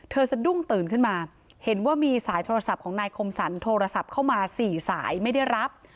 สะดุ้งตื่นขึ้นมาเห็นว่ามีสายโทรศัพท์ของนายคมสรรโทรศัพท์เข้ามาสี่สายไม่ได้รับ